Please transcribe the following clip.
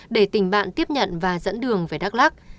để tỉnh bạn tiếp nhận và dẫn đường về đắk lắc